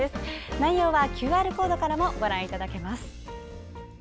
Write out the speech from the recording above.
内容はＱＲコードからもご覧いただけます。